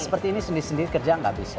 seperti ini sendiri sendiri kerja nggak bisa